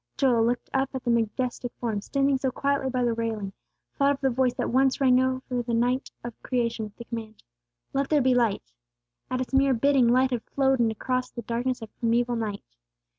Joel, looking up at the majestic form, standing so quietly by the railing, thought of the voice that once rang out over the night of Creation with the command, "Let there be light!" At its mere bidding light had flowed in across the darkness of primeval night.